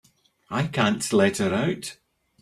I can't let her out.